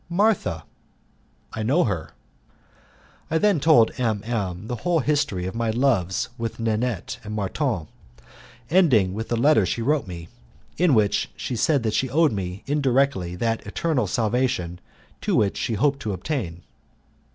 "Martha." "I know her." I then told M M the whole history of my loves with Nanette and Marton, ending with the letter she wrote me, in which she said that she owed me, indirectly, that eternal salvation to which she hoped to attain.